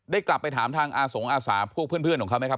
กลับไปถามทางอาสงอาสาพวกเพื่อนของเขาไหมครับ